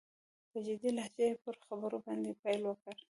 په جدي لهجه يې په خبرو باندې پيل وکړ.